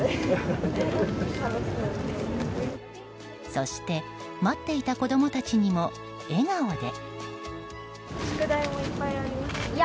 そして待っていた子供たちにも笑顔で。